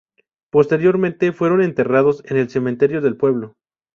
Posteriormente fueron enterrados en el cementerio del pueblo.